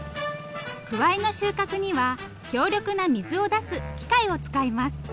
くわいの収穫には強力な水を出す機械を使います。